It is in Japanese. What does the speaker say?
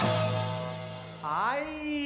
はい。